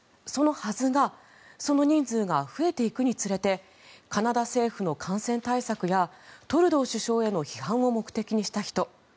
そのはずがその人数が増えていくにつれてカナダ政府の感染対策やトルドー首相への批判を目的とした人